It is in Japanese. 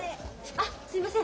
あっすいません。